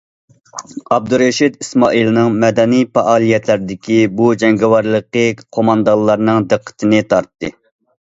ئابدۇرېشىت ئىسمائىلنىڭ مەدەنىي پائالىيەتلەردىكى بۇ جەڭگىۋارلىقى قوماندانلارنىڭ دىققىتىنى تارتتى.